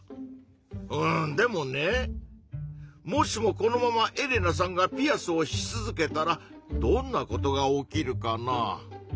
うんでもねもしもこのままエレナさんがピアスをし続けたらどんなことが起きるかな？